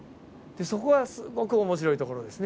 そこはすごく面白いところですね。